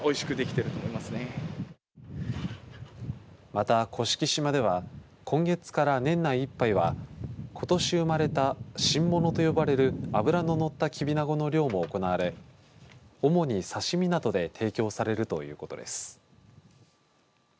また、甑島では今月から年内いっぱいはことし生まれた新ものと呼ばれる脂ののったきびなごの漁も行われ主に刺身などで提供されるということです。